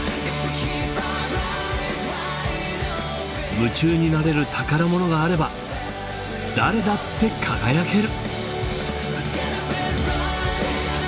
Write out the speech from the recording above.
夢中になれる宝物があれば誰だって輝ける！